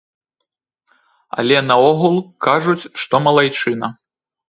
Але наогул, кажуць, што малайчына.